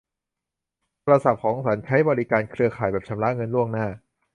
โทรศัพท์ของฉันใช้บริการเครือข่ายแบบชำระเงินล่วงหน้า